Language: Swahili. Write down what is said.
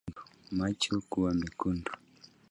Macho kuwa mekundu